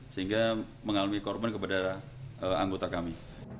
sehingga mengalami korban kepada anggota kami